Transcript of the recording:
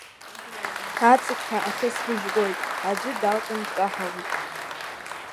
Аҵықьҳәа ахысбыжь гоит, аӡәы далҟьан дкаҳауеит.